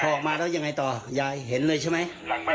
ออกมาแล้วยังไงต่อยายเห็นเลยใช่ไหม